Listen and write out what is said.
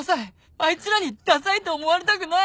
あいつらにダサいと思われたくない！